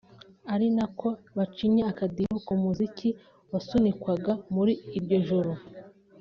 ari nako bacinya akadiho ku muziki wasunikwaga muri iryo joro